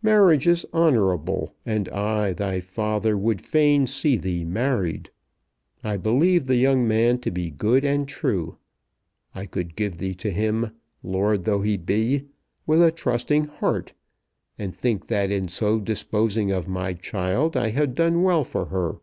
Marriage is honourable, and I, thy father, would fain see thee married. I believe the young man to be good and true. I could give thee to him, lord though he be, with a trusting heart, and think that in so disposing of my child I had done well for her.